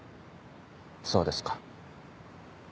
そうですか。